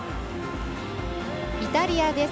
イタリアです。